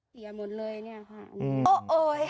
เยหมดเลยเนี่ยค่ะ